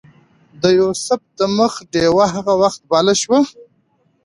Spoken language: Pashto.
د یوسف د مخ ډیوه هغه وخت بله شوه.